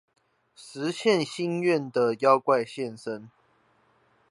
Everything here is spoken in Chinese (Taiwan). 實現心願的妖怪現身